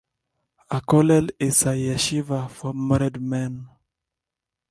A kollel is a yeshiva for married men.